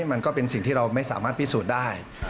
มันก็เป็นสิ่งที่เราไม่สามารถพิสูจน์ได้